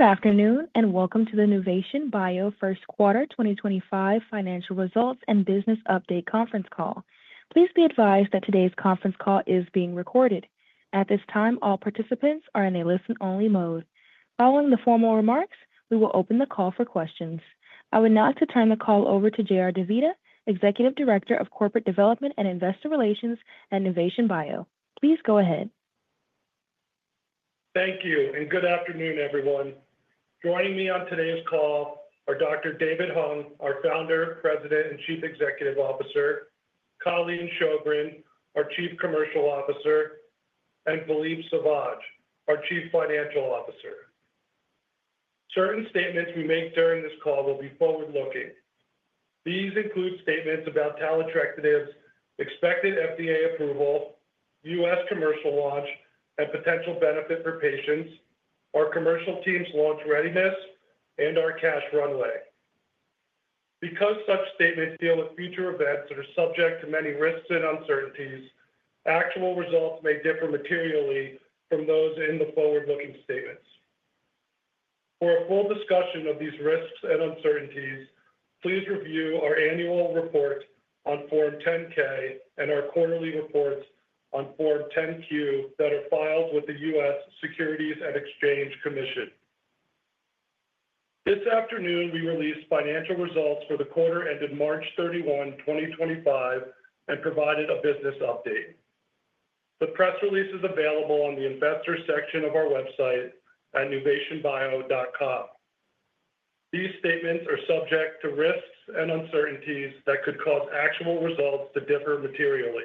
Good afternoon and welcome to the Nuvation Bio First Quarter 2025 Financial Results and Business Update conference call. Please be advised that today's conference call is being recorded. At this time, all participants are in a listen-only mode. Following the formal remarks, we will open the call for questions. I would now like to turn the call over to JR DeVita, Executive Director of Corporate Development and Investor Relations at Nuvation Bio. Please go ahead. Thank you and good afternoon, everyone. Joining me on today's call are Dr. David Hung, our Founder, President, and Chief Executive Officer; Colleen Sjogren, our Chief Commercial Officer; and Philippe Sauvage, our Chief Financial Officer. Certain statements we make during this call will be forward-looking. These include statements about talent directives, expected FDA approval, U.S. commercial launch, and potential benefit for patients, our commercial team's launch readiness, and our cash runway. Because such statements deal with future events that are subject to many risks and uncertainties, actual results may differ materially from those in the forward-looking statements. For a full discussion of these risks and uncertainties, please review our annual report on Form 10-K and our quarterly reports on Form 10-Q that are filed with the U.S. Securities and Exchange Commission. This afternoon, we released financial results for the quarter ended March 31, 2025, and provided a business update. The press release is available on the Investor section of our website at nuvationbio.com. These statements are subject to risks and uncertainties that could cause actual results to differ materially.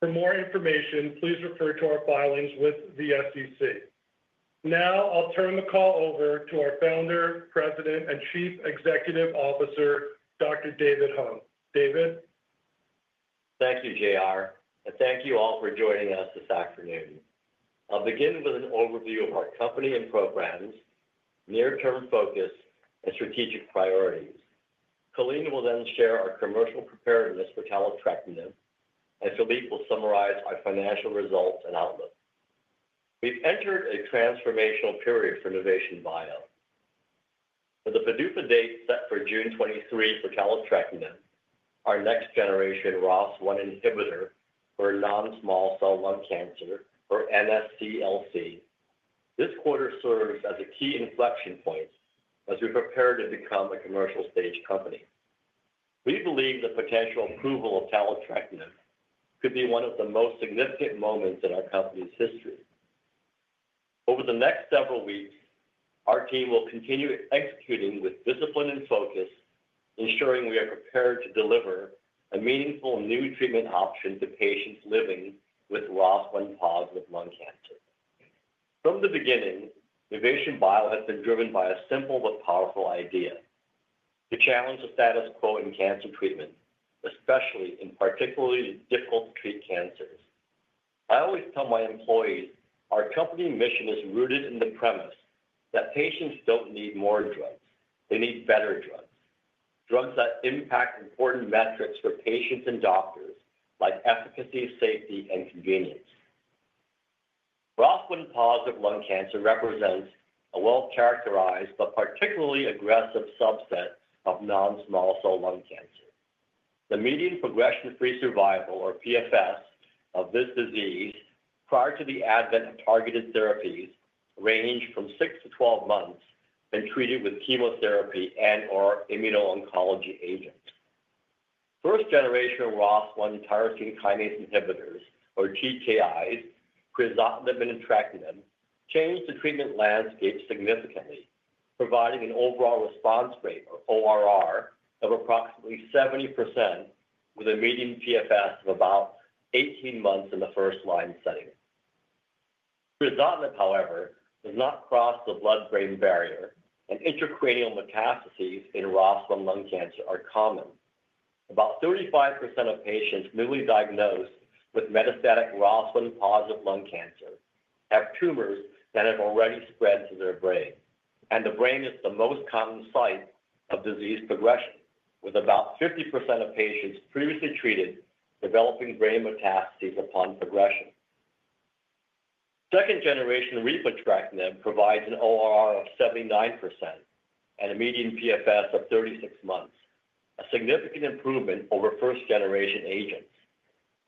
For more information, please refer to our filings with the SEC. Now, I'll turn the call over to our Founder, President, and Chief Executive Officer, Dr. David Hung. David. Thank you, JR, and thank you all for joining us this afternoon. I'll begin with an overview of our company and programs, near-term focus, and strategic priorities. Colleen will then share our commercial preparedness for taletrectinib, and Philippe will summarize our financial results and outlook. We've entered a transformational period for Nuvation Bio. With the PDUFA date set for June 23 for taletrectinib, our next generation ROS1 inhibitor for non-small cell lung cancer, or NSCLC, this quarter serves as a key inflection point as we prepare to become a commercial-stage company. We believe the potential approval of taletrectinib could be one of the most significant moments in our company's history. Over the next several weeks, our team will continue executing with discipline and focus, ensuring we are prepared to deliver a meaningful new treatment option to patients living with ROS1-positive lung cancer. From the beginning, Nuvation Bio has been driven by a simple but powerful idea: to challenge the status quo in cancer treatment, especially in particularly difficult-to-treat cancers. I always tell my employees our company mission is rooted in the premise that patients don't need more drugs; they need better drugs, drugs that impact important metrics for patients and doctors like efficacy, safety, and convenience. ROS1-positive lung cancer represents a well-characterized but particularly aggressive subset of non-small cell lung cancer. The median progression-free survival, or PFS, of this disease prior to the advent of targeted therapies ranged from 6-12 months when treated with chemotherapy and/or immuno-oncology agents. First-generation ROS1 tyrosine kinase inhibitors, or TKIs, entrectinib and crizotinib, changed the treatment landscape significantly, providing an overall response rate, or ORR, of approximately 70% with a median PFS of about 18 months in the first-line setting. Crizotinib, however, does not cross the blood-brain barrier, and intracranial metastases in ROS1 lung cancer are common. About 35% of patients newly diagnosed with metastatic ROS1-positive lung cancer have tumors that have already spread to their brain, and the brain is the most common site of disease progression, with about 50% of patients previously treated developing brain metastases upon progression. Second-generation repotrectinib provides an ORR of 79% and a median PFS of 36 months, a significant improvement over first-generation agents.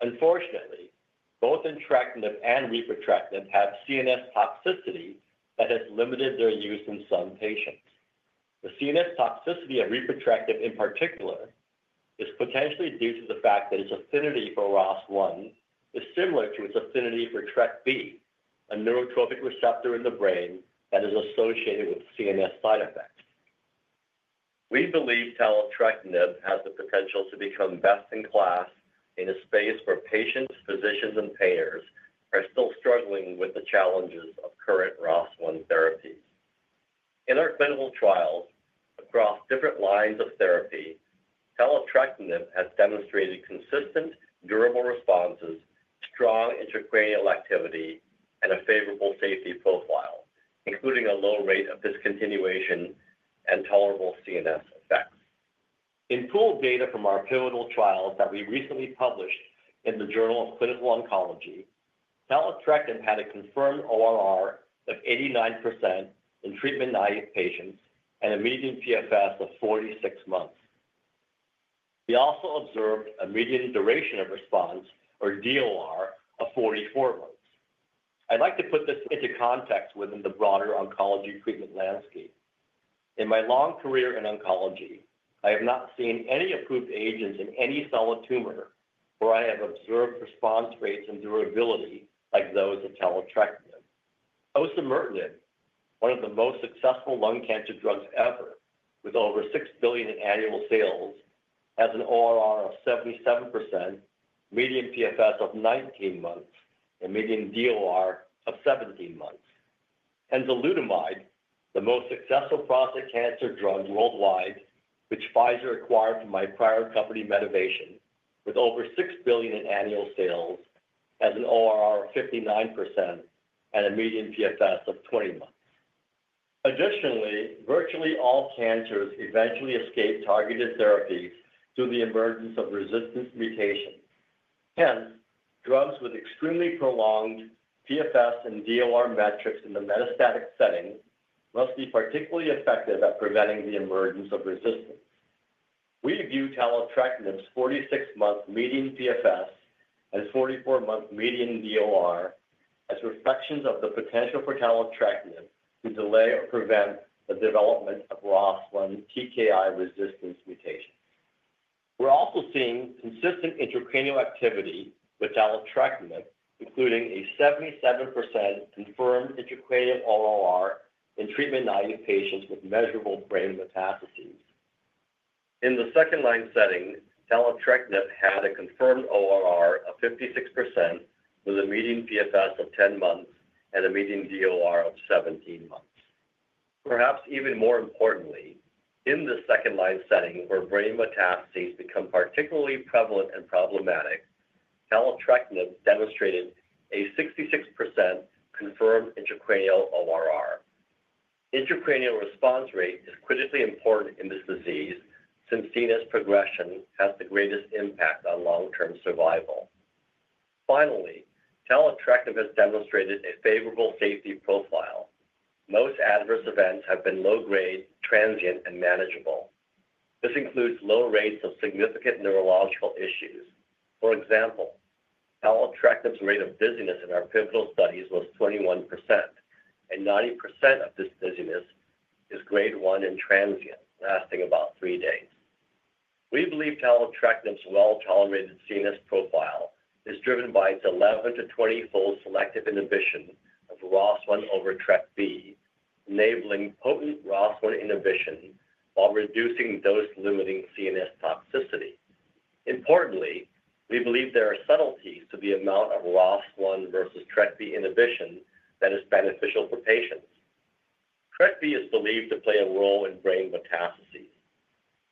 Unfortunately, both entrectinib and repotrectinib have CNS toxicity that has limited their use in some patients. The CNS toxicity of repotrectinib, in particular, is potentially due to the fact that its affinity for ROS1 is similar to its affinity for TrkB, a neurotrophic receptor in the brain that is associated with CNS side effects. We believe taletrectinib has the potential to become best in class in a space where patients, physicians, and payers are still struggling with the challenges of current ROS1 therapies. In our clinical trials across different lines of therapy, taletrectinib has demonstrated consistent, durable responses, strong intracranial activity, and a favorable safety profile, including a low rate of discontinuation and tolerable CNS effects. In pooled data from our pivotal trials that we recently published in the Journal of Clinical Oncology, taletrectinib had a confirmed ORR of 89% in treatment-naive patients and a median PFS of 46 months. We also observed a median duration of response, or DOR, of 44 months. I'd like to put this into context within the broader oncology treatment landscape. In my long career in oncology, I have not seen any approved agents in any solid tumor where I have observed response rates and durability like those of taletrectinib. Osimertinib, one of the most successful lung cancer drugs ever, with over $6 billion in annual sales, has an ORR of 77%, median PFS of 19 months, and median DOR of 17 months. Enzalutamide, the most successful prostate cancer drug worldwide, which Pfizer acquired from my prior company, Medivation, with over $6 billion in annual sales, has an ORR of 59% and a median PFS of 20 months. Additionally, virtually all cancers eventually escape targeted therapies through the emergence of resistance mutations. Hence, drugs with extremely prolonged PFS and DOR metrics in the metastatic setting must be particularly effective at preventing the emergence of resistance. We view taletrectinib's 46-month median PFS and 44-month median DOR as reflections of the potential for taletrectinib to delay or prevent the development of ROS1 TKI resistance mutations. We're also seeing consistent intracranial activity with taletrectinib, including a 77% confirmed intracranial ORR in treatment-naive patients with measurable brain metastases. In the second-line setting, taletrectinib had a confirmed ORR of 56% with a median PFS of 10 months and a median DOR of 17 months. Perhaps even more importantly, in the second-line setting, where brain metastases become particularly prevalent and problematic, taletrectinib demonstrated a 66% confirmed intracranial ORR. Intracranial response rate is critically important in this disease since CNS progression has the greatest impact on long-term survival. Finally, taletrectinib has demonstrated a favorable safety profile. Most adverse events have been low-grade, transient, and manageable. This includes low rates of significant neurological issues. For example, taletrectinib's rate of dizziness in our pivotal studies was 21%, and 90% of this dizziness is grade one and transient, lasting about three days. We believe taletrectinib's well-tolerated CNS profile is driven by its 11-20-fold selective inhibition of ROS1 over TrkB, enabling potent ROS1 inhibition while reducing dose-limiting CNS toxicity. Importantly, we believe there are subtleties to the amount of ROS1 versus TrkB inhibition that is beneficial for patients. TrkB is believed to play a role in brain metastases.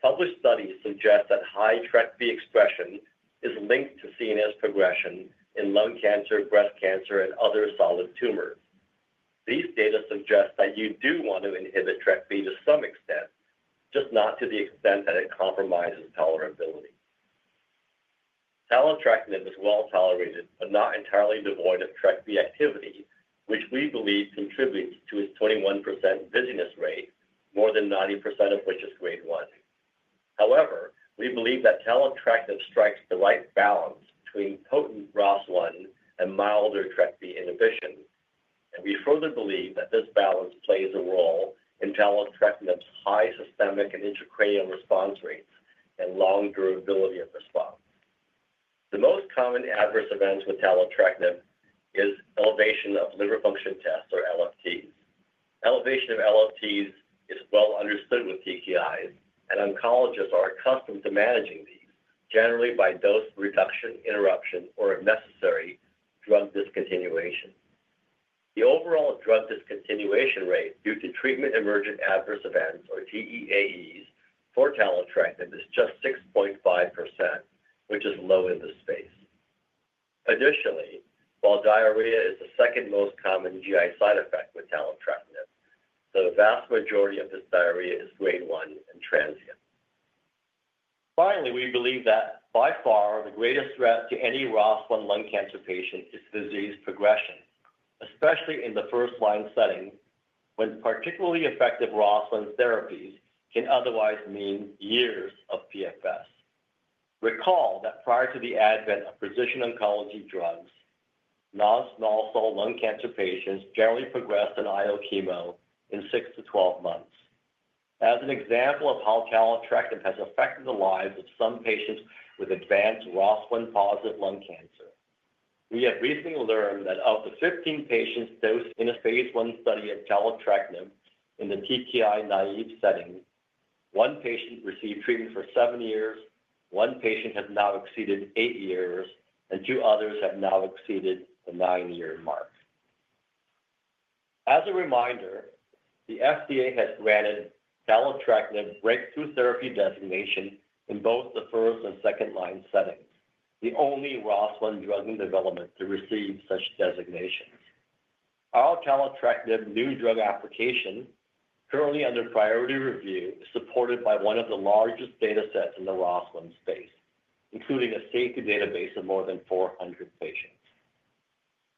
Published studies suggest that high TrkB expression is linked to CNS progression in lung cancer, breast cancer, and other solid tumors. These data suggest that you do want to inhibit TrkB to some extent, just not to the extent that it compromises tolerability. Taletrectinib is well tolerated but not entirely devoid of TrkB activity, which we believe contributes to its 21% dizziness rate, more than 90% of which is grade 1. However, we believe that taletrectinib strikes the right balance between potent ROS1 and milder TrkB inhibition, and we further believe that this balance plays a role in taletrectinib's high systemic and intracranial response rates and long durability of response. The most common adverse event with taletrectinib is elevation of liver function tests, or LFTs. Elevation of LFTs is well understood with TKIs, and oncologists are accustomed to managing these, generally by dose reduction, interruption, or, if necessary, drug discontinuation. The overall drug discontinuation rate due to treatment-emergent adverse events, or TEAEs, for taletrectinib is just 6.5%, which is low in this space. Additionally, while diarrhea is the second most common GI side effect with taletrectinib, the vast majority of this diarrhea is grade one and transient. Finally, we believe that by far the greatest threat to any ROS1 lung cancer patient is disease progression, especially in the first-line setting when particularly effective ROS1 therapies can otherwise mean years of PFS. Recall that prior to the advent of precision oncology drugs, non-small cell lung cancer patients generally progressed on IO chemo in six to 12 months. As an example of how taletrectinib has affected the lives of some patients with advanced ROS1-positive lung cancer, we have recently learned that of the 15 patients dosed in a phase I study of taletrectinib in the TKI-naive setting, one patient received treatment for seven years, one patient has now exceeded eight years, and two others have now exceeded the nine-year mark. As a reminder, the FDA has granted taletrectinib breakthrough therapy designation in both the first and second-line settings, the only ROS1 drug in development to receive such designations. Our taletrectinib new drug application, currently under priority review, is supported by one of the largest data sets in the ROS1 space, including a safety database of more than 400 patients.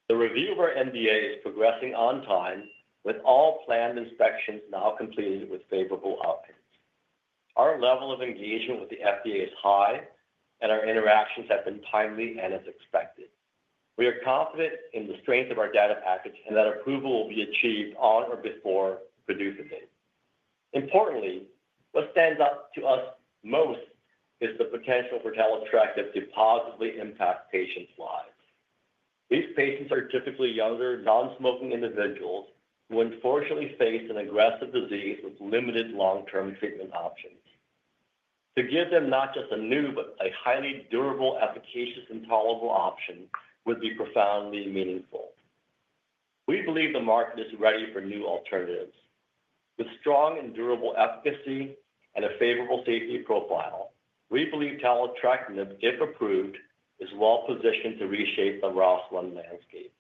The review of our NDA is progressing on time, with all planned inspections now completed with favorable outcomes. Our level of engagement with the FDA is high, and our interactions have been timely and as expected. We are confident in the strength of our data package and that approval will be achieved on or before the PDUFA date. Importantly, what stands out to us most is the potential for taletrectinib to positively impact patients' lives. These patients are typically younger, non-smoking individuals who unfortunately face an aggressive disease with limited long-term treatment options. To give them not just a new but a highly durable, efficacious, and tolerable option would be profoundly meaningful. We believe the market is ready for new alternatives. With strong and durable efficacy and a favorable safety profile, we believe taletrectinib, if approved, is well positioned to reshape the ROS1 landscape.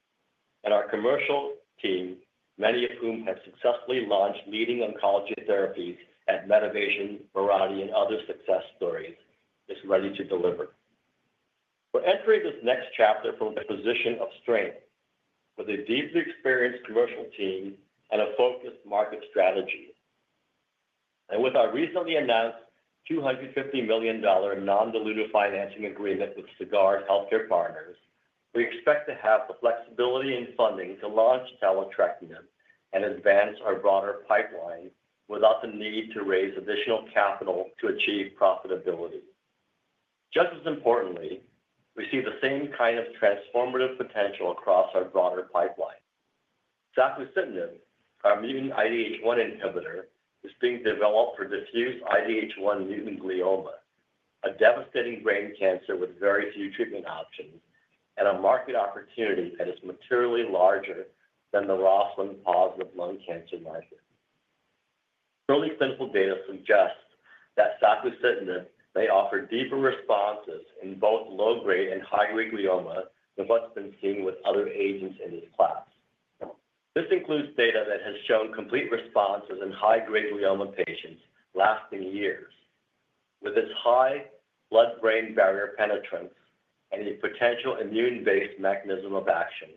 Our commercial team, many of whom have successfully launched leading oncology therapies at Medivation, Mirati, and other success stories, is ready to deliver. We're entering this next chapter from a position of strength, with a deeply experienced commercial team and a focused market strategy. With our recently announced $250 million non-dilutive financing agreement with Sagard Healthcare Partners, we expect to have the flexibility and funding to launch taletrectinib and advance our broader pipeline without the need to raise additional capital to achieve profitability. Just as importantly, we see the same kind of transformative potential across our broader pipeline. Safusidenib, our mutant IDH1 inhibitor, is being developed for diffuse IDH1-mutant glioma, a devastating brain cancer with very few treatment options and a market opportunity that is materially larger than the ROS1-positive lung cancer market. Early clinical data suggest that safusidenib may offer deeper responses in both low-grade and high-grade glioma than what has been seen with other agents in this class. This includes data that has shown complete responses in high-grade glioma patients lasting years. With its high blood-brain barrier penetrance and a potential immune-based mechanism of action,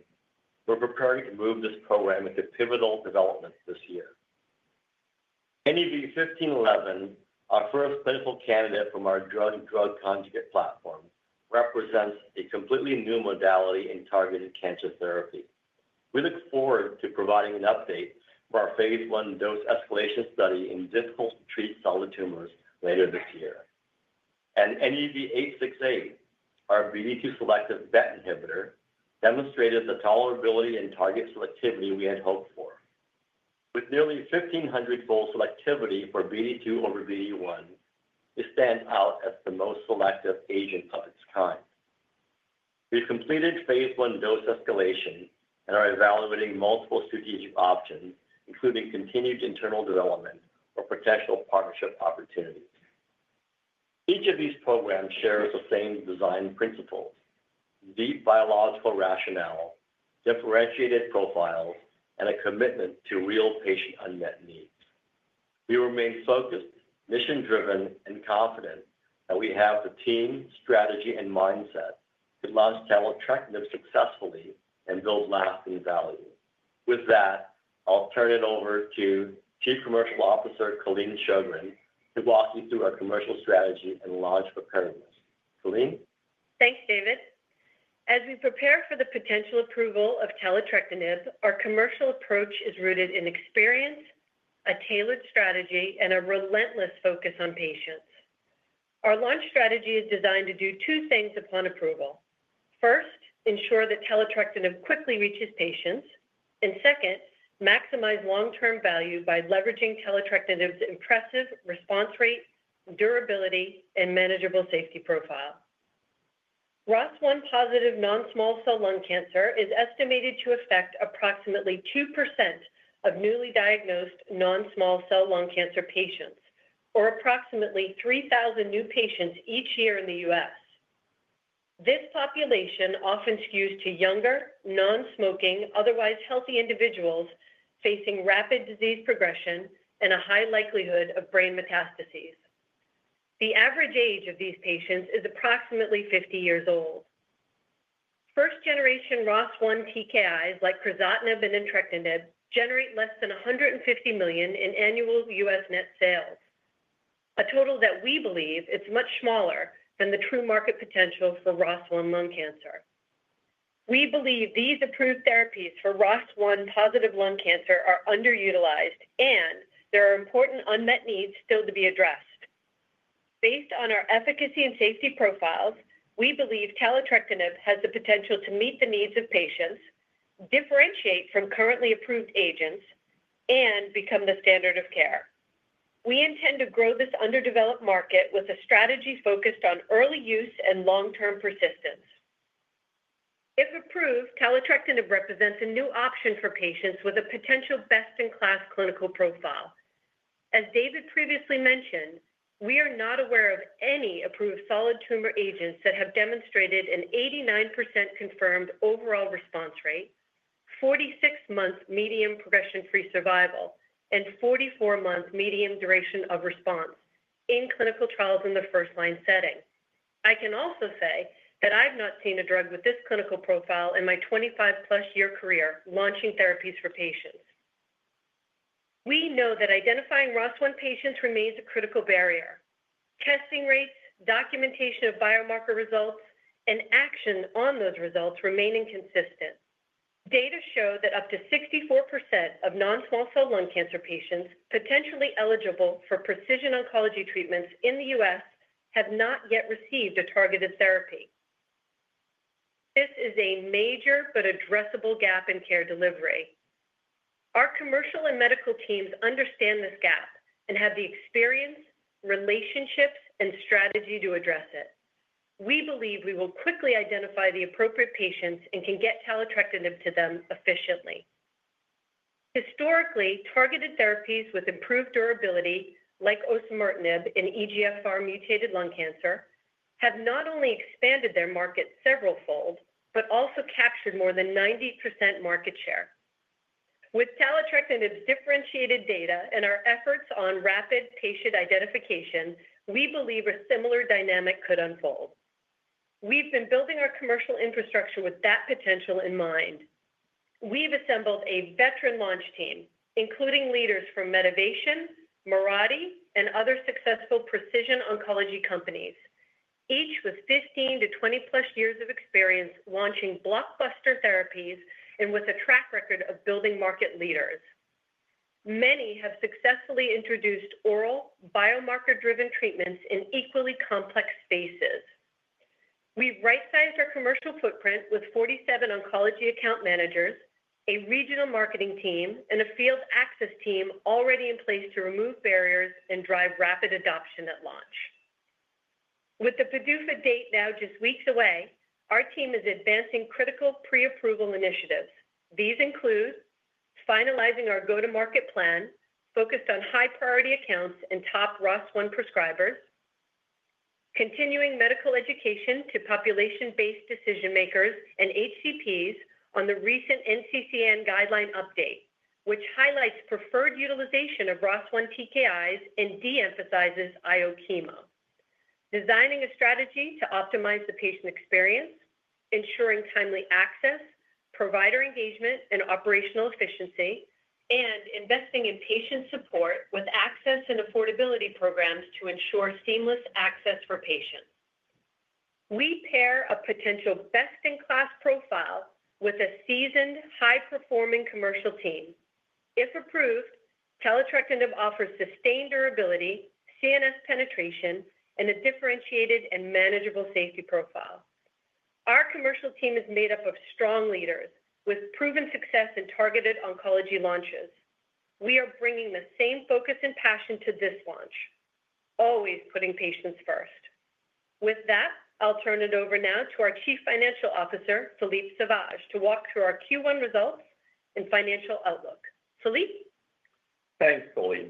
we're preparing to move this program into pivotal development this year. NUV-1511, our first clinical candidate from our drug-drug conjugate platform, represents a completely new modality in targeted cancer therapy. We look forward to providing an update for our phase I dose escalation study in difficult-to-treat solid tumors later this year. NUV-868, our BD2-selective BET inhibitor, demonstrated the tolerability and target selectivity we had hoped for. With nearly 1,500-fold selectivity for BD2 over BD1, it stands out as the most selective agent of its kind. We've completed phase I dose escalation and are evaluating multiple strategic options, including continued internal development or potential partnership opportunities. Each of these programs shares the same design principles: deep biological rationale, differentiated profiles, and a commitment to real patient unmet needs. We remain focused, mission-driven, and confident that we have the team, strategy, and mindset to launch taletrectinib successfully and build lasting value. With that, I'll turn it over to Chief Commercial Officer Colleen Sjogren to walk you through our commercial strategy and launch preparedness. Colleen? Thanks, David. As we prepare for the potential approval of taletrectinib, our commercial approach is rooted in experience, a tailored strategy, and a relentless focus on patients. Our launch strategy is designed to do two things upon approval. First, ensure that taletrectinib quickly reaches patients. Second, maximize long-term value by leveraging taletrectinib's impressive response rate, durability, and manageable safety profile. ROS1-positive non-small cell lung cancer is estimated to affect approximately 2% of newly diagnosed non-small cell lung cancer patients, or approximately 3,000 new patients each year in the U.S. This population often skews to younger, non-smoking, otherwise healthy individuals facing rapid disease progression and a high likelihood of brain metastases. The average age of these patients is approximately 50 years old. First-generation ROS1 TKIs like crizotinib and entrectinib generate less than $150 million in annual U.S. net sales, a total that we believe is much smaller than the true market potential for ROS1 lung cancer. We believe these approved therapies for ROS1-positive lung cancer are underutilized, and there are important unmet needs still to be addressed. Based on our efficacy and safety profiles, we believe taletrectinib has the potential to meet the needs of patients, differentiate from currently approved agents, and become the standard of care. We intend to grow this underdeveloped market with a strategy focused on early use and long-term persistence. If approved, taletrectinib represents a new option for patients with a potential best-in-class clinical profile. As David previously mentioned, we are not aware of any approved solid tumor agents that have demonstrated an 89% confirmed overall response rate, 46-month median progression-free survival, and 44-month median duration of response in clinical trials in the first-line setting. I can also say that I've not seen a drug with this clinical profile in my 25-plus year career launching therapies for patients. We know that identifying ROS1 patients remains a critical barrier. Testing rates, documentation of biomarker results, and action on those results remain inconsistent. Data show that up to 64% of non-small cell lung cancer patients potentially eligible for precision oncology treatments in the U.S. have not yet received a targeted therapy. This is a major but addressable gap in care delivery. Our commercial and medical teams understand this gap and have the experience, relationships, and strategy to address it. We believe we will quickly identify the appropriate patients and can get taletrectinib to them efficiently. Historically, targeted therapies with improved durability, like osimertinib in EGFR-mutated lung cancer, have not only expanded their market several-fold but also captured more than 90% market share. With taletrectinib's differentiated data and our efforts on rapid patient identification, we believe a similar dynamic could unfold. We've been building our commercial infrastructure with that potential in mind. We've assembled a veteran launch team, including leaders from Medivation, Mirati, and other successful precision oncology companies, each with 15-20-plus years of experience launching blockbuster therapies and with a track record of building market leaders. Many have successfully introduced oral, biomarker-driven treatments in equally complex spaces. We've right-sized our commercial footprint with 47 oncology account managers, a regional marketing team, and a field access team already in place to remove barriers and drive rapid adoption at launch. With the PDUFA date now just weeks away, our team is advancing critical pre-approval initiatives. These include finalizing our go-to-market plan focused on high-priority accounts and top ROS1 prescribers, continuing medical education to population-based decision-makers and HCPs on the recent NCCN guideline update, which highlights preferred utilization of ROS1 TKIs and de-emphasizes IO chemo, designing a strategy to optimize the patient experience, ensuring timely access, provider engagement, and operational efficiency, and investing in patient support with access and affordability programs to ensure seamless access for patients. We pair a potential best-in-class profile with a seasoned, high-performing commercial team. If approved, taletrectinib offers sustained durability, CNS penetration, and a differentiated and manageable safety profile. Our commercial team is made up of strong leaders with proven success in targeted oncology launches. We are bringing the same focus and passion to this launch, always putting patients first. With that, I'll turn it over now to our Chief Financial Officer, Philippe Sauvage, to walk through our Q1 results and financial outlook. Philippe? Thanks, Colleen.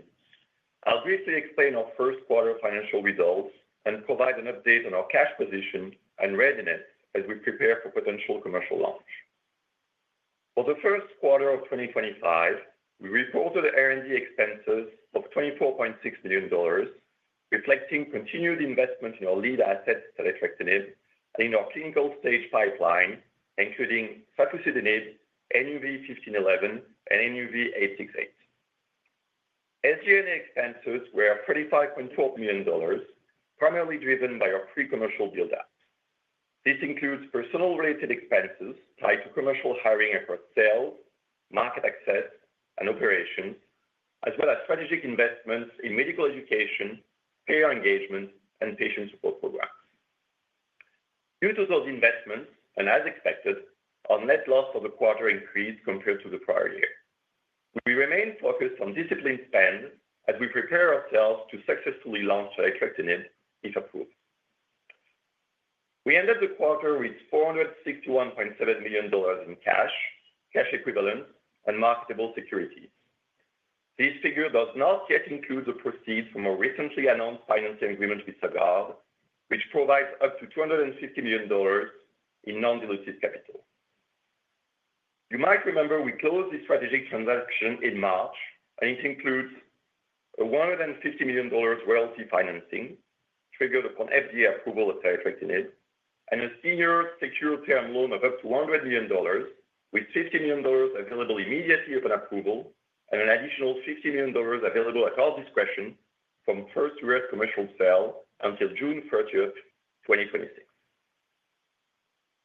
I'll briefly explain our first-quarter financial results and provide an update on our cash position and readiness as we prepare for potential commercial launch. For the first quarter of 2025, we reported R&D expenses of $24.6 million, reflecting continued investment in our lead asset, taletrectinib, and in our clinical stage pipeline, including safusidenib, NUV-1511, and NUV-868. SG&A expenses were $35.12 million, primarily driven by our pre-commercial build-out. This includes personnel-related expenses tied to commercial hiring efforts, sales, market access, and operations, as well as strategic investments in medical education, care engagement, and patient support programs. Due to those investments, and as expected, our net loss for the quarter increased compared to the prior year. We remain focused on disciplined spend as we prepare ourselves to successfully launch taletrectinib if approved. We ended the quarter with $461.7 million in cash, cash equivalents, and marketable securities. This figure does not yet include the proceeds from our recently announced financing agreement with Sagard Healthcare Partners, which provides up to $250 million in non-dilutive capital. You might remember we closed the strategic transaction in March, and it includes a $150 million royalty financing triggered upon FDA approval of taletrectinib and a senior secured term loan of up to $100 million, with $50 million available immediately upon approval and an additional $50 million available at our discretion from first-year commercial sale until June 30, 2026.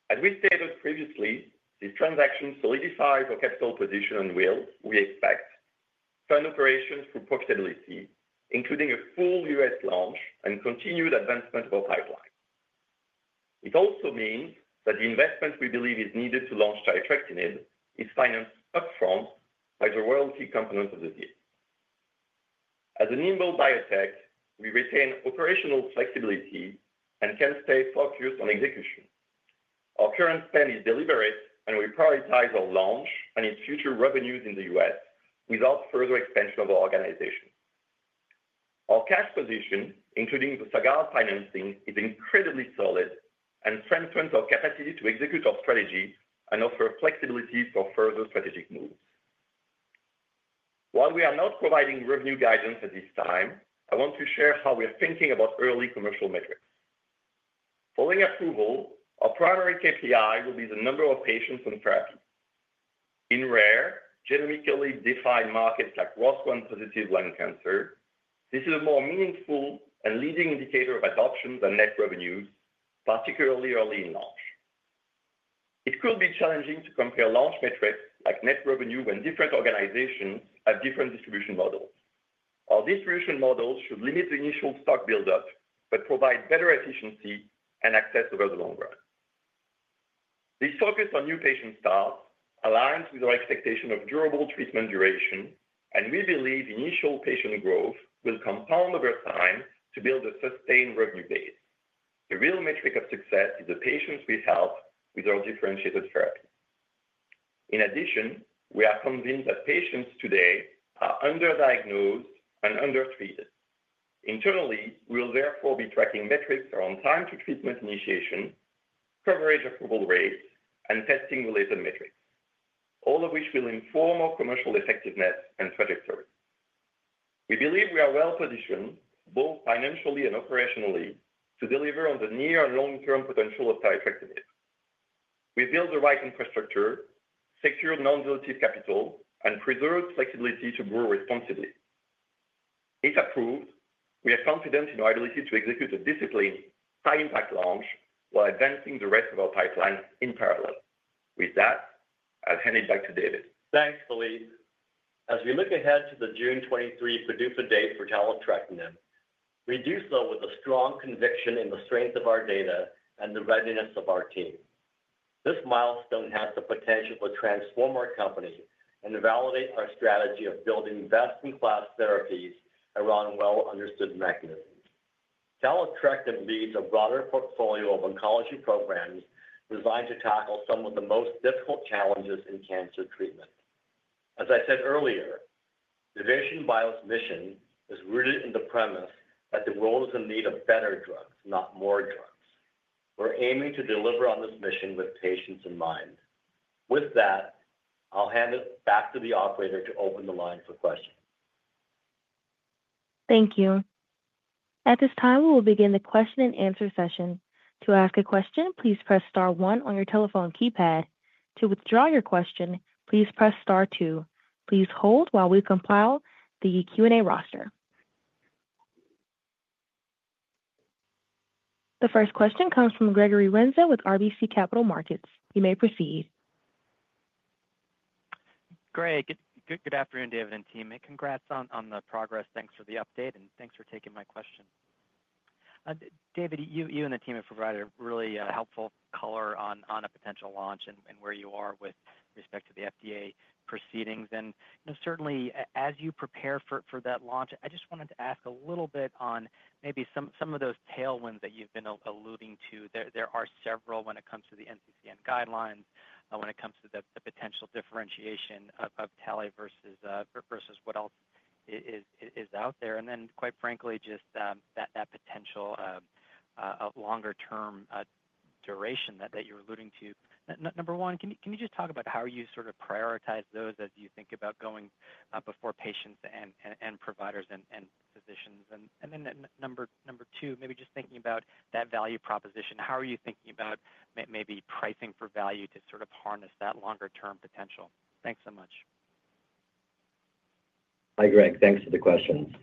As we stated previously, this transaction solidifies our capital position and will, we expect, fund operations for profitability, including a full U.S. launch and continued advancement of our pipeline. It also means that the investment we believe is needed to launch taletrectinib is financed upfront by the royalty component of the deal. As a nimble biotech, we retain operational flexibility and can stay focused on execution. Our current spend is deliberate, and we prioritize our launch and its future revenues in the U.S. without further expansion of our organization. Our cash position, including the Sagard financing, is incredibly solid and strengthens our capacity to execute our strategy and offer flexibility for further strategic moves. While we are not providing revenue guidance at this time, I want to share how we are thinking about early commercial metrics. Following approval, our primary KPI will be the number of patients on therapy. In rare, genetically defined markets like ROS1-positive lung cancer, this is a more meaningful and leading indicator of adoption than net revenues, particularly early in launch. It could be challenging to compare launch metrics like net revenue when different organizations have different distribution models. Our distribution models should limit the initial stock build-up but provide better efficiency and access over the long run. This focus on new patient starts aligns with our expectation of durable treatment duration, and we believe initial patient growth will compound over time to build a sustained revenue base. The real metric of success is the patients we help with our differentiated therapy. In addition, we are convinced that patients today are underdiagnosed and undertreated. Internally, we will therefore be tracking metrics around time to treatment initiation, coverage approval rates, and testing-related metrics, all of which will inform our commercial effectiveness and trajectory. We believe we are well-positioned, both financially and operationally, to deliver on the near and long-term potential of taletrectinib. We build the right infrastructure, secure non-dilutive capital, and preserve flexibility to grow responsibly. If approved, we are confident in our ability to execute a disciplined, high-impact launch while advancing the rest of our pipeline in parallel. With that, I'll hand it back to David. Thanks, Philippe. As we look ahead to the June 23 PDUFA date for taletrectinib, we do so with a strong conviction in the strength of our data and the readiness of our team. This milestone has the potential to transform our company and validate our strategy of building best-in-class therapies around well-understood mechanisms. Taletrectinib leads a broader portfolio of oncology programs designed to tackle some of the most difficult challenges in cancer treatment. As I said earlier, Nuvation Bio's mission is rooted in the premise that the world is in need of better drugs, not more drugs. We're aiming to deliver on this mission with patients in mind. With that, I'll hand it back to the operator to open the line for questions. Thank you. At this time, we will begin the question-and-answer session. To ask a question, please press Star one on your telephone keypad. To withdraw your question, please press Star two. Please hold while we compile the Q&A roster. The first question comes from Gregory Renza with RBC Capital Markets. You may proceed. Greg, good afternoon, David and team. And congrats on the progress. Thanks for the update, and thanks for taking my question. David, you and the team have provided really helpful color on a potential launch and where you are with respect to the FDA proceedings. Certainly, as you prepare for that launch, I just wanted to ask a little bit on maybe some of those tailwinds that you've been alluding to. There are several when it comes to the NCCN guidelines, when it comes to the potential differentiation of TALI versus what else is out there. Quite frankly, just that potential longer-term duration that you're alluding to. Number one, can you just talk about how you sort of prioritize those as you think about going before patients and providers and physicians? Number two, maybe just thinking about that value proposition. How are you thinking about maybe pricing for value to sort of harness that longer-term potential? Thanks so much. Hi, Greg. Thanks for the questions.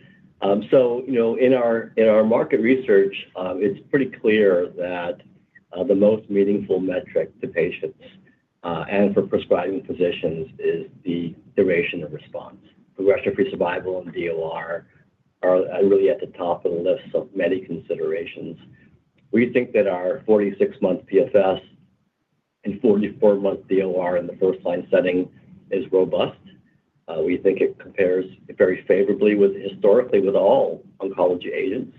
In our market research, it is pretty clear that the most meaningful metric to patients and for prescribing physicians is the duration of response. Progression-free survival and DOR are really at the top of the list of many considerations. We think that our 46-month PFS and 44-month DOR in the first-line setting is robust. We think it compares very favorably historically with all oncology agents.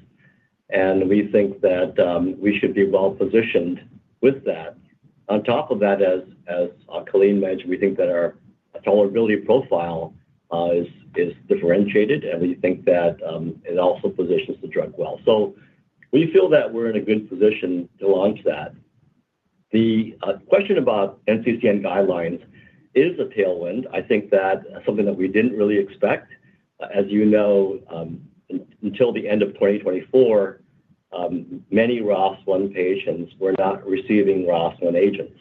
We think that we should be well-positioned with that. On top of that, as Colleen mentioned, we think that our tolerability profile is differentiated, and we think that it also positions the drug well. We feel that we're in a good position to launch that. The question about NCCN guidelines is a tailwind. I think that's something that we didn't really expect. As you know, until the end of 2024, many ROS1 patients were not receiving ROS1 agents.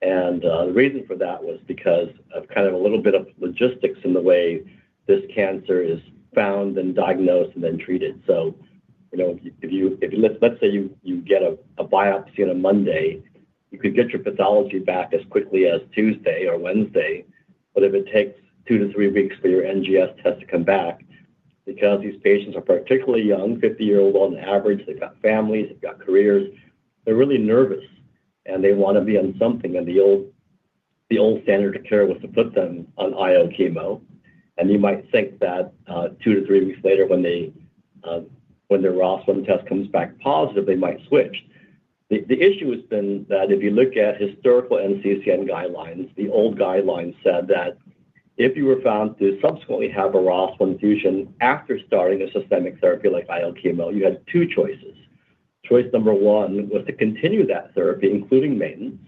The reason for that was because of kind of a little bit of logistics in the way this cancer is found and diagnosed and then treated. Let's say you get a biopsy on a Monday. You could get your pathology back as quickly as Tuesday or Wednesday. If it takes two to three weeks for your NGS test to come back, because these patients are particularly young, 50-year-old on average, they've got families, they've got careers, they're really nervous, and they want to be on something. The old standard of care was to put them on IO chemo. You might think that two to three weeks later when their ROS1 test comes back positive, they might switch. The issue has been that if you look at historical NCCN guidelines, the old guidelines said that if you were found to subsequently have a ROS1 infusion after starting a systemic therapy like IO chemo, you had two choices. Choice number one was to continue that therapy, including maintenance.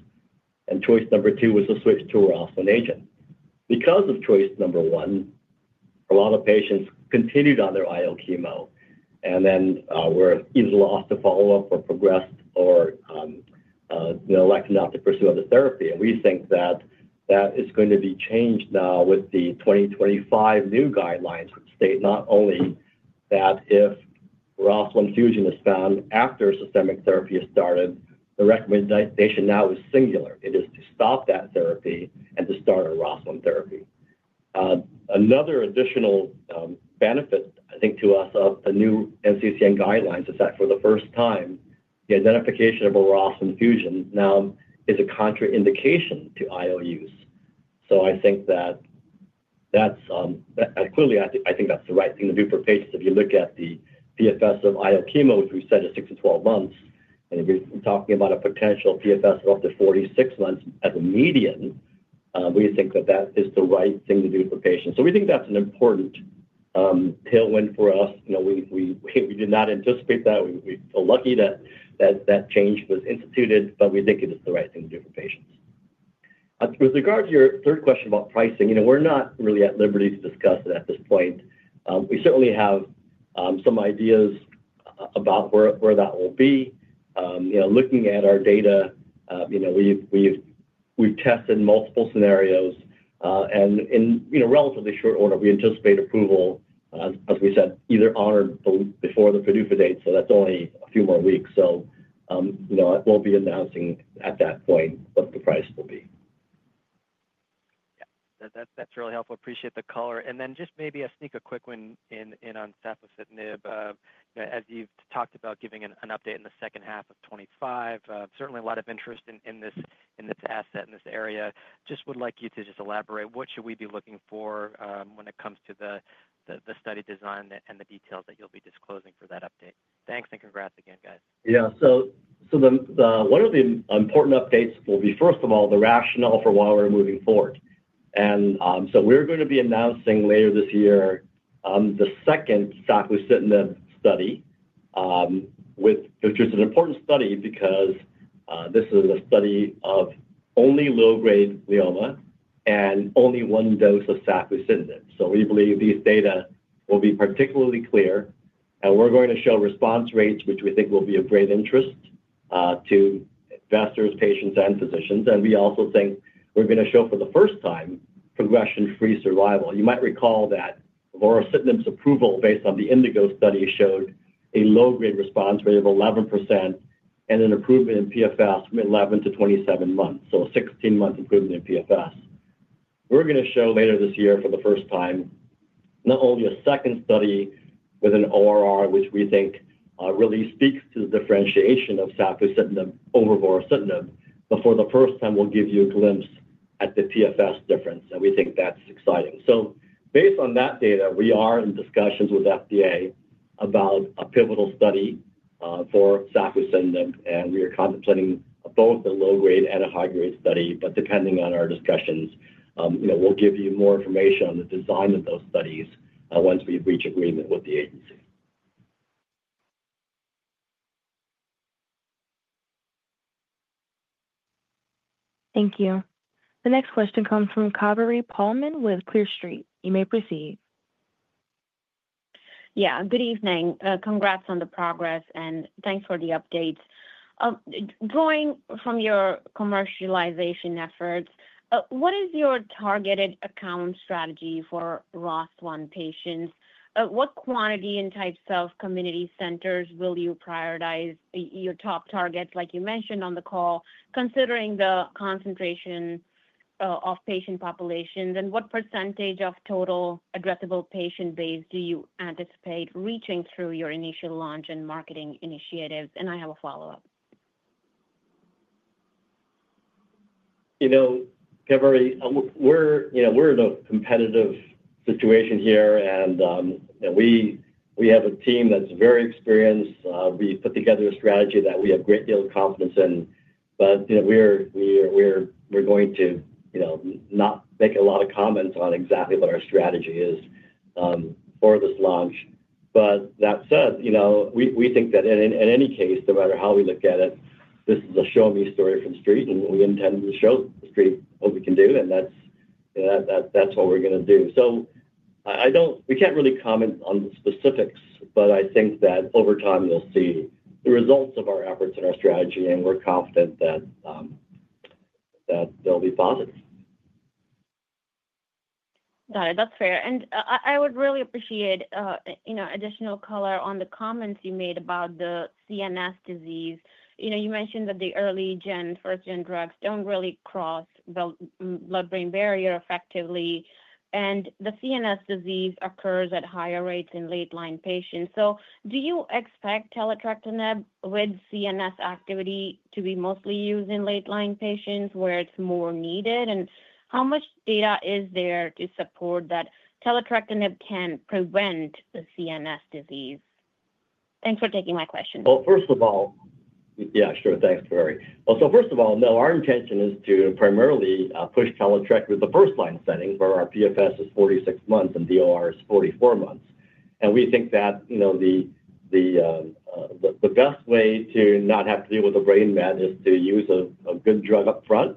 Choice number two was to switch to a ROS1 agent. Because of choice number one, a lot of patients continued on their IO chemo and then were either lost to follow-up or progressed or elected not to pursue other therapy. We think that that is going to be changed now with the 2025 new guidelines, which state not only that if ROS1 infusion is found after systemic therapy is started, the recommendation now is singular. It is to stop that therapy and to start a ROS1 therapy. Another additional benefit, I think, to us of the new NCCN guidelines is that for the first time, the identification of a ROS1 infusion now is a contraindication to IO use. I think that that's clearly, I think that's the right thing to do for patients. If you look at the PFS of IO chemo, which we said is six to 12 months, and if you're talking about a potential PFS of up to 46 months as a median, we think that that is the right thing to do for patients. We think that's an important tailwind for us. We did not anticipate that. We feel lucky that that change was instituted, but we think it is the right thing to do for patients. With regard to your third question about pricing, we're not really at liberty to discuss it at this point. We certainly have some ideas about where that will be. Looking at our data, we've tested multiple scenarios. In relatively short order, we anticipate approval, as we said, either on or before the PDUFA date. That's only a few more weeks. We'll be announcing at that point what the price will be. Yeah. That's really helpful. Appreciate the color. Maybe just a quick one on safusidenib. As you've talked about giving an update in the second half of 2025, certainly a lot of interest in this asset, in this area. Just would like you to elaborate. What should we be looking for when it comes to the study design and the details that you'll be disclosing for that update? Thanks, and congrats again, guys. Yeah. One of the important updates will be, first of all, the rationale for why we're moving forward. We're going to be announcing later this year the second safusidenib study, which is an important study because this is a study of only low-grade glioma and only one dose of safusidenib. We believe these data will be particularly clear. We are going to show response rates, which we think will be of great interest to investors, patients, and physicians. We also think we are going to show for the first time progression-free survival. You might recall that vorasidenib's approval based on the Indigo study showed a low-grade response rate of 11% and an improvement in PFS from 11 to 27 months, so a 16-month improvement in PFS. We are going to show later this year for the first time not only a second study with an ORR, which we think really speaks to the differentiation of safusidenib over vorasidenib, but for the first time, we will give you a glimpse at the PFS difference. We think that is exciting. Based on that data, we are in discussions with the FDA about a pivotal study for safusidenib. We are contemplating both a low-grade and a high-grade study. Depending on our discussions, we'll give you more information on the design of those studies once we reach agreement with the agency. Thank you. The next question comes from Kaveri Pohlman with Clear Street. You may proceed. Yeah. Good evening. Congrats on the progress, and thanks for the updates. Drawing from your commercialization efforts, what is your targeted account strategy for ROS1 patients? What quantity and types of community centers will you prioritize? Your top targets, like you mentioned on the call, considering the concentration of patient populations, and what % of total addressable patient base do you anticipate reaching through your initial launch and marketing initiatives? I have a follow-up. You know, Kaveri, we're in a competitive situation here, and we have a team that's very experienced. We put together a strategy that we have a great deal of confidence in. We are not going to make a lot of comments on exactly what our strategy is for this launch. That said, we think that in any case, no matter how we look at it, this is a show-me story from the street, and we intend to show the street what we can do. That is what we are going to do. We cannot really comment on the specifics, but I think that over time, you will see the results of our efforts and our strategy, and we are confident that they will be positive. Got it. That is fair. I would really appreciate additional color on the comments you made about the CNS disease. You mentioned that the early-gen, first-gen drugs do not really cross the blood-brain barrier effectively. The CNS disease occurs at higher rates in late-line patients. Do you expect taletrectinib with CNS activity to be mostly used in late-line patients where it's more needed? And how much data is there to support that taletrectinib can prevent the CNS disease? Thanks for taking my question. First of all, yeah, sure. Thanks, Gregory. First of all, no, our intention is to primarily push taletrectinib in the first-line setting where our PFS is 46 months and DOR is 44 months. We think that the best way to not have to deal with a brain met is to use a good drug upfront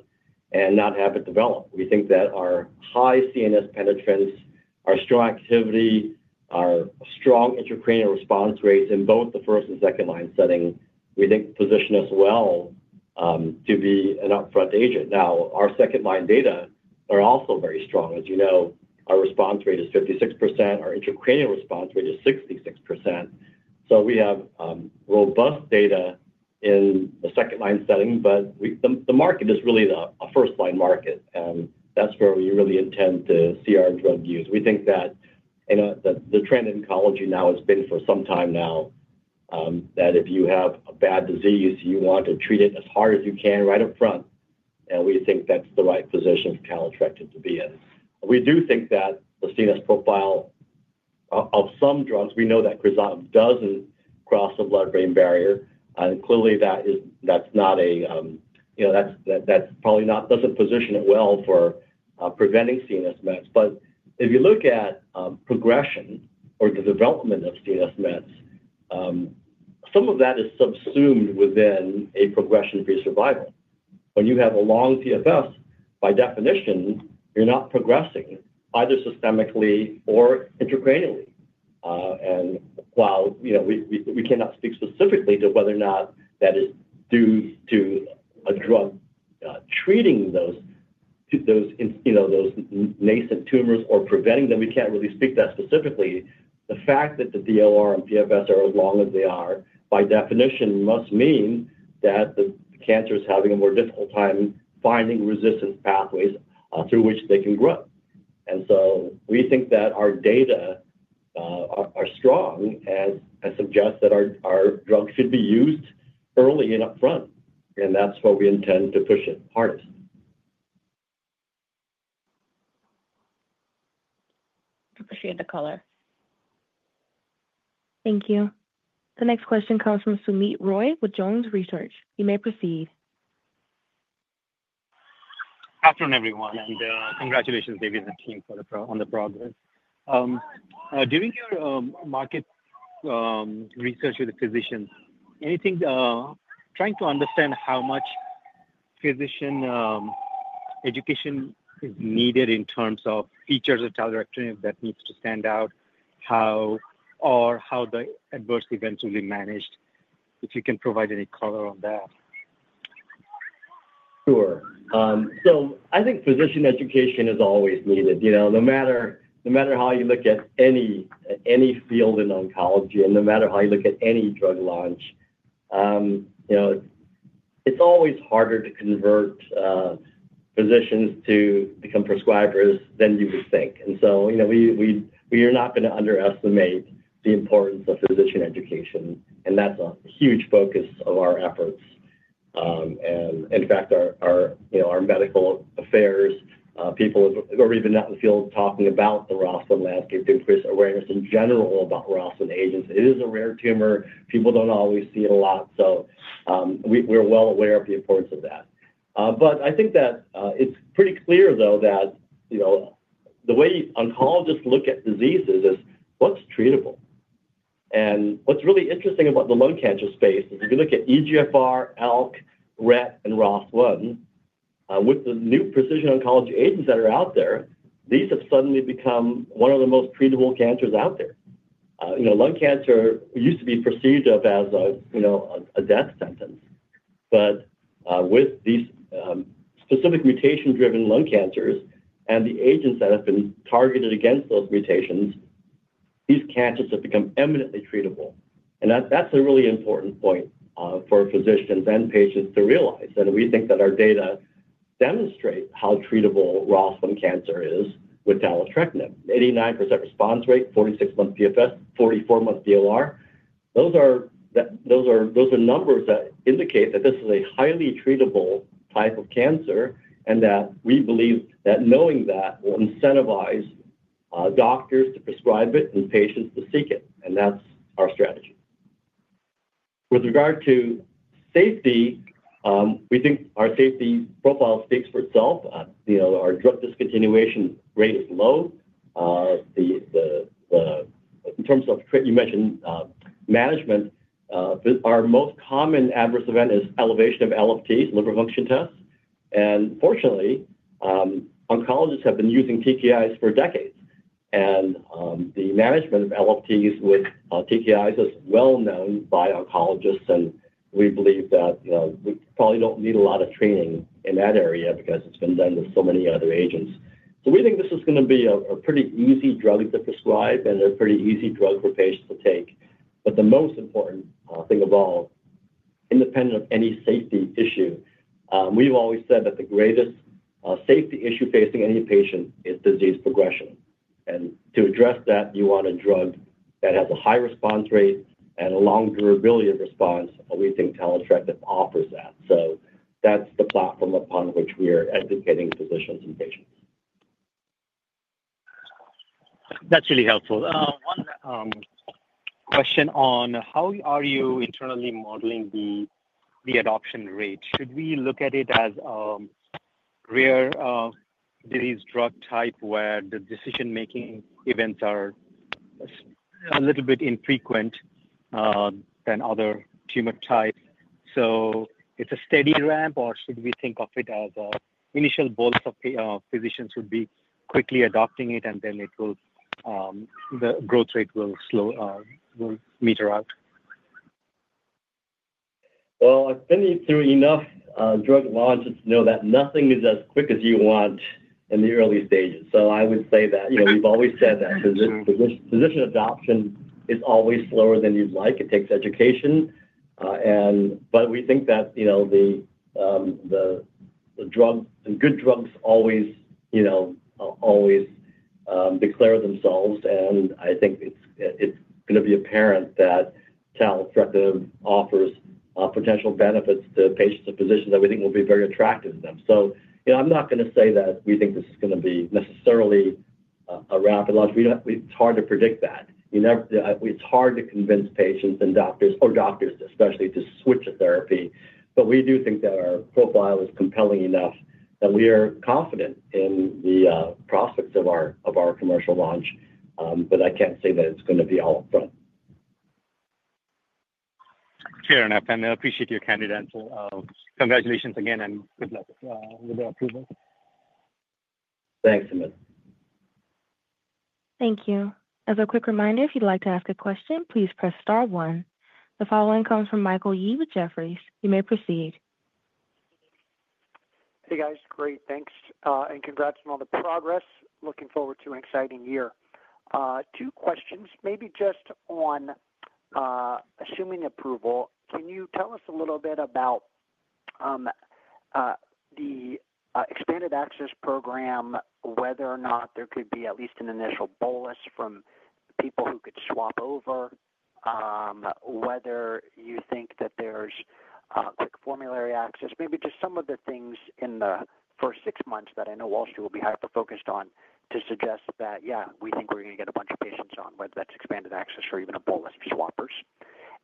and not have it develop. We think that our high CNS penetrance, our strong activity, our strong intracranial response rates in both the first and second-line setting, position us well to be an upfront agent. Our second-line data are also very strong. As you know, our response rate is 56%. Our intracranial response rate is 66%. We have robust data in the second-line setting, but the market is really a first-line market. That is where we really intend to see our drug used. We think that the trend in oncology now has been for some time now that if you have a bad disease, you want to treat it as hard as you can right up front. We think that is the right position for taletrectinib to be in. We do think that the CNS profile of some drugs, we know that crizotinib does not cross the blood-brain barrier. Clearly, that is probably not—does not position it well for preventing CNS met. If you look at progression or the development of CNS mets, some of that is subsumed within a progression-free survival. When you have a long PFS, by definition, you're not progressing either systemically or intracranially. While we cannot speak specifically to whether or not that is due to a drug treating those nascent tumors or preventing them, we can't really speak to that specifically. The fact that the DOR and PFS are as long as they are, by definition, must mean that the cancer is having a more difficult time finding resistance pathways through which they can grow. We think that our data are strong and suggest that our drug should be used early and upfront. That's what we intend to push it hardest. Appreciate the color. Thank you. The next question comes from Soumit Roy with Jones Research. You may proceed. Afternoon, everyone. And congratulations, David and the team, on the progress. During your market research with the physicians, trying to understand how much physician education is needed in terms of features of taletrectinib that needs to stand out or how the adverse events will be managed, if you can provide any color on that. Sure. I think physician education is always needed. No matter how you look at any field in oncology and no matter how you look at any drug launch, it's always harder to convert physicians to become prescribers than you would think. We are not going to underestimate the importance of physician education. That's a huge focus of our efforts. In fact, our medical affairs people are even out in the field talking about the ROS1 landscape, increased awareness in general about ROS1 agents. It is a rare tumor. People do not always see it a lot. We're well aware of the importance of that. I think that it's pretty clear, though, that the way oncologists look at diseases is what's treatable. What's really interesting about the lung cancer space is if you look at EGFR, ALK, RET, and ROS1, with the new precision oncology agents that are out there, these have suddenly become one of the most treatable cancers out there. Lung cancer used to be perceived as a death sentence. With these specific mutation-driven lung cancers and the agents that have been targeted against those mutations, these cancers have become eminently treatable. That's a really important point for physicians and patients to realize. We think that our data demonstrate how treatable ROS1 cancer is with taletrectinib. 89% response rate, 46-month PFS, 44-month DOR. Those are numbers that indicate that this is a highly treatable type of cancer and that we believe that knowing that will incentivize doctors to prescribe it and patients to seek it. That is our strategy. With regard to safety, we think our safety profile speaks for itself. Our drug discontinuation rate is low. In terms of, you mentioned, management, our most common adverse event is elevation of LFTs, liver function tests. Fortunately, oncologists have been using TKIs for decades. The management of LFTs with TKIs is well known by oncologists. We believe that we probably do not need a lot of training in that area because it has been done with so many other agents. We think this is going to be a pretty easy drug to prescribe and a pretty easy drug for patients to take. The most important thing of all, independent of any safety issue, we've always said that the greatest safety issue facing any patient is disease progression. To address that, you want a drug that has a high response rate and a long durability of response. We think taletrectinib offers that. That is the platform upon which we are educating physicians and patients. That's really helpful. One question on how are you internally modeling the adoption rate? Should we look at it as a rare disease drug type where the decision-making events are a little bit infrequent than other tumor types? It is a steady ramp, or should we think of it as an initial bulk of physicians who would be quickly adopting it, and then the growth rate will meter out? I've been through enough drug launches to know that nothing is as quick as you want in the early stages. I would say that we've always said that physician adoption is always slower than you'd like. It takes education. We think that the good drugs always declare themselves. I think it's going to be apparent that taletrectinib offers potential benefits to patients and physicians that we think will be very attractive to them. I'm not going to say that we think this is going to be necessarily a rapid launch. It's hard to predict that. It's hard to convince patients and doctors, or doctors especially, to switch a therapy. We do think that our profile is compelling enough that we are confident in the prospects of our commercial launch. I can't say that it's going to be all upfront. Fair enough. I appreciate your candidacy. Congratulations again and good luck with the approval. Thanks, Soumit. Thank you. As a quick reminder, if you'd like to ask a question, please press star one. The following comes from Michael Yee with Jefferies. You may proceed. Hey, guys. Great. Thanks. And congrats on all the progress. Looking forward to an exciting year. Two questions, maybe just on assuming approval. Can you tell us a little bit about the expanded access program, whether or not there could be at least an initial bolus from people who could swap over, whether you think that there's quick formulary access, maybe just some of the things in the first six months that I know Wall Street will be hyper-focused on to suggest that, yeah, we think we're going to get a bunch of patients on, whether that's expanded access or even a bolus of swappers.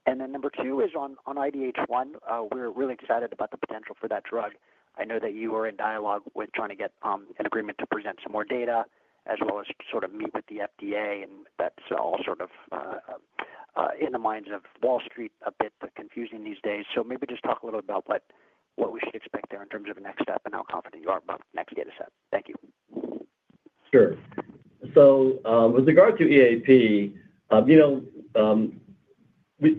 Number two is on IDH1. We're really excited about the potential for that drug. I know that you are in dialogue with trying to get an agreement to present some more data as well as sort of meet with the FDA. That is all sort of in the minds of Wall Street, a bit confusing these days. Maybe just talk a little about what we should expect there in terms of the next step and how confident you are about the next data set. Thank you. Sure. With regard to EAP,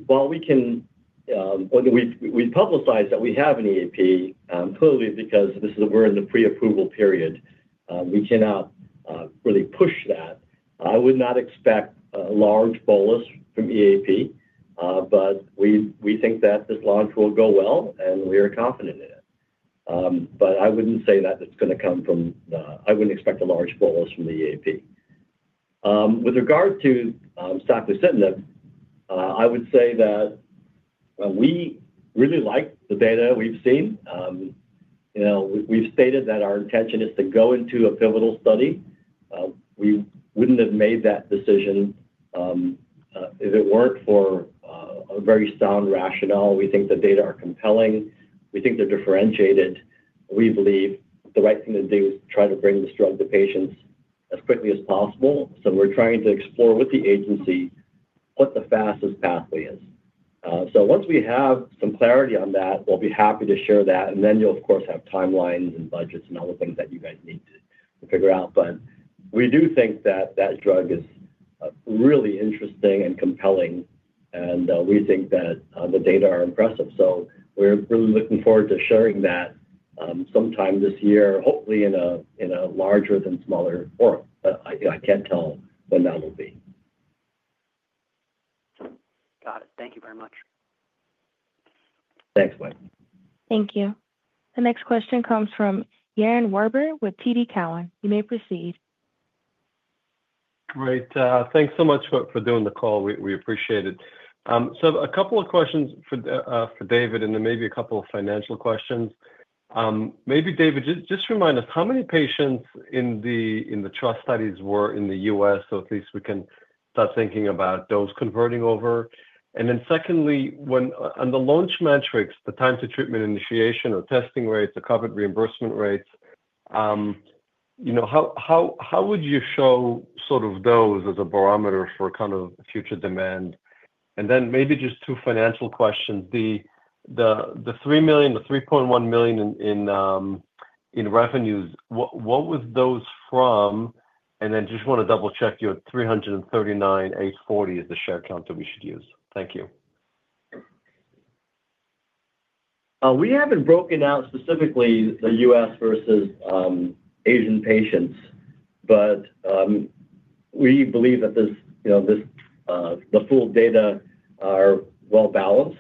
while we can—we publicize that we have an EAP, clearly, because we're in the pre-approval period, we cannot really push that. I would not expect a large bolus from EAP, but we think that this launch will go well, and we are confident in it. I would not say that it is going to come from—I would not expect a large bolus from the EAP. With regard to safusidenib, I would say that we really like the data we have seen. We have stated that our intention is to go into a pivotal study. We would not have made that decision if it were not for a very sound rationale. We think the data are compelling. We think they are differentiated. We believe the right thing to do is to try to bring this drug to patients as quickly as possible. We are trying to explore with the agency what the fastest pathway is. Once we have some clarity on that, we will be happy to share that. You will, of course, have timelines and budgets and all the things that you need to figure out. We do think that that drug is really interesting and compelling. We think that the data are impressive. We are really looking forward to sharing that sometime this year, hopefully in a larger than smaller form. I cannot tell when that will be. Got it. Thank you very much. Thanks, Mike. Thank you. The next question comes from Yaron Werber with TD Cowen. You may proceed. Great. Thanks so much for doing the call. We appreciate it. A couple of questions for David, and then maybe a couple of financial questions. Maybe, David, just remind us, how many patients in the TRUST studies were in the U.S. so at least we can start thinking about those converting over? Secondly, on the launch metrics, the time to treatment initiation or testing rates, the COVID reimbursement rates, how would you show those as a barometer for kind of future demand? Maybe just two financial questions. The $3 million, the $3.1 million in revenues, what was those from? I just want to double-check your 339,840 is the share count that we should use. Thank you. We have not broken out specifically the U.S. versus Asian patients, but we believe that the full data are well balanced.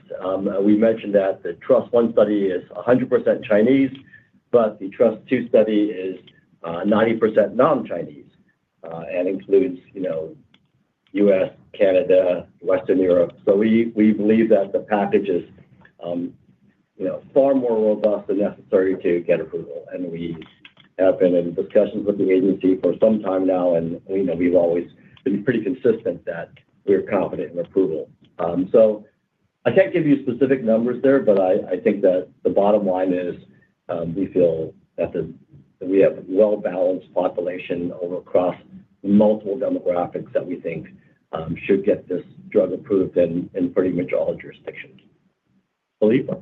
We mentioned that the TRUST-I study is 100% Chinese, but the TRUST-2 study is 90% non-Chinese and includes U.S., Canada, Western Europe. We believe that the package is far more robust than necessary to get approval. We have been in discussions with the agency for some time now, and we have always been pretty consistent that we are confident in approval. I can't give you specific numbers there, but I think that the bottom line is we feel that we have a well-balanced population across multiple demographics that we think should get this drug approved in pretty much all jurisdictions. Philippe?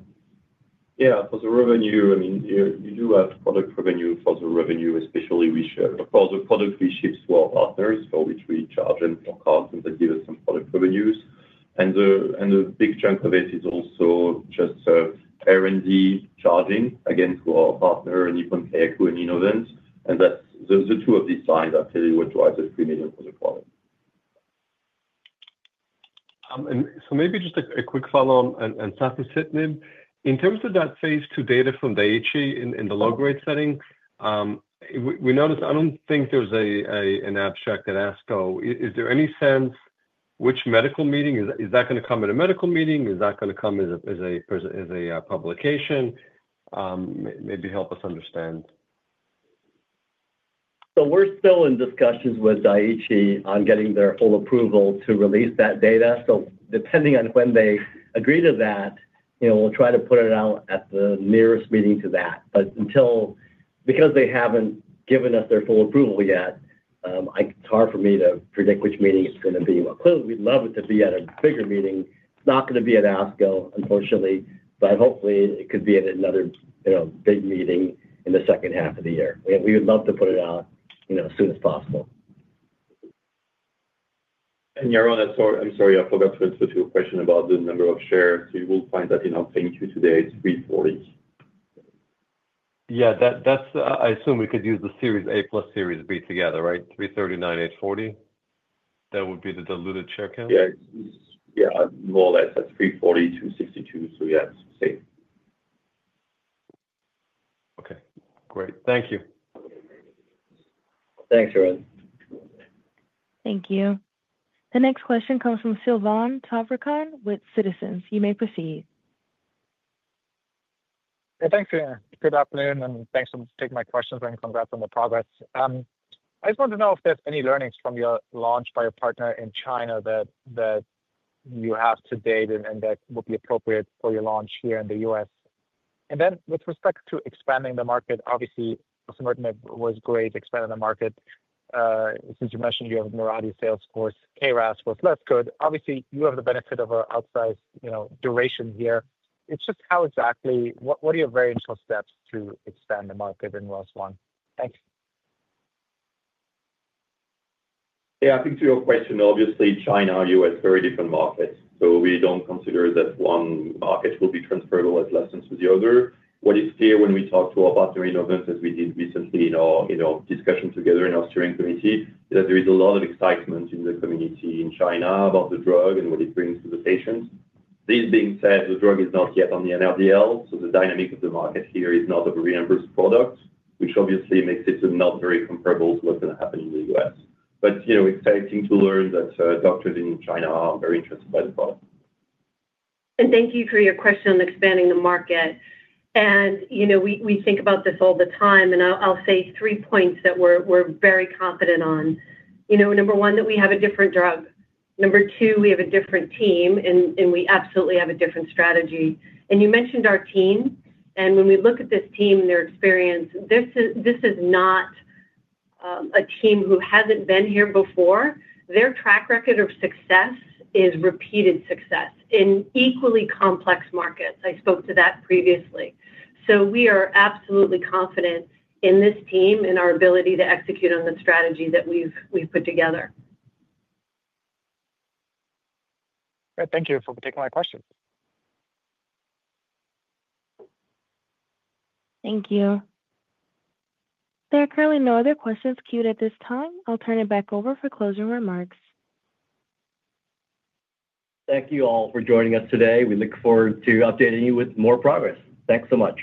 Yeah. For the revenue, I mean, you do have product revenue for the revenue, especially for the product we ship to our partners, for which we charge them for costs and they give us some product revenues. A big chunk of it is also just R&D charging against our partner, Nippon Kayaku and Innovent. The two of these lines are clearly what drives the $3 million for the product. Maybe just a quick follow-up on safusidenib. In terms of that phase II data from the HE in the low-grade setting, we noticed I don't think there's an abstract at ASCO. Is there any sense which medical meeting? Is that going to come at a medical meeting? Is that going to come as a publication? Maybe help us understand. We are still in discussions with the HE on getting their full approval to release that data. Depending on when they agree to that, we will try to put it out at the nearest meeting to that. Because they have not given us their full approval yet, it is hard for me to predict which meeting it is going to be. Clearly, we would love it to be at a bigger meeting. It is not going to be at ASCO, unfortunately. Hopefully, it could be at another big meeting in the second half of the year. We would love to put it out as soon as possible. Yeron, I am sorry, I forgot to answer your question about the number of shares. You will find that in our phase II today, it's 340. Yeah. I assume we could use the series A plus series B together, right? 339,840? That would be the diluted share count? Yeah. Yeah. More or less. That's 340 to 62. So yeah, it's the same. Okay. Great. Thank you. Thanks, Yaron. Thank you. The next question comes from Silvan Türkcan with Citizens. You may proceed. Hey, thanks. Good afternoon. And thanks for taking my questions and congrats on the progress. I just want to know if there's any learnings from your launch by your partner in China that you have to date and that would be appropriate for your launch here in the U.S. And then with respect to expanding the market, obviously, osimertinib was great at expanding the market. Since you mentioned you have a Mirati Salesforce, KRAS was less good. Obviously, you have the benefit of an outsized duration here. It's just how exactly what are your variational steps to expand the market in ROS1? Thanks. Yeah. I think to your question, obviously, China and the U.S. are very different markets. We don't consider that one market will be transferable as lessons with the other. What is clear when we talk to our partner Innovent, as we did recently in our discussion together in our steering committee, is that there is a lot of excitement in the community in China about the drug and what it brings to the patients. This being said, the drug is not yet on the NRDL. The dynamic of the market here is not a reimbursed product, which obviously makes it not very comparable to what's going to happen in the U.S. Exciting to learn that doctors in China are very interested by the product. Thank you for your question on expanding the market. We think about this all the time. I'll say three points that we're very confident on. Number one, that we have a different drug. Number two, we have a different team, and we absolutely have a different strategy. You mentioned our team. When we look at this team and their experience, this is not a team who hasn't been here before. Their track record of success is repeated success in equally complex markets. I spoke to that previously. We are absolutely confident in this team and our ability to execute on the strategy that we've put together. All right. Thank you for taking my questions. Thank you. There are currently no other questions queued at this time. I'll turn it back over for closing remarks. Thank you all for joining us today. We look forward to updating you with more progress. Thanks so much.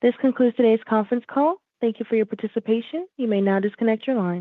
This concludes today's conference call. Thank you for your participation. You may now disconnect your line.